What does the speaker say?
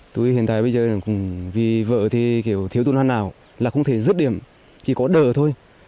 tôi hiện tại bây giờ cũng vì vợ thì kiểu thiếu tụi nó nào là không thể rớt điểm chỉ có đỡ thôi